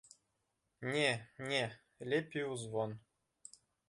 Не, не, лепей у звон.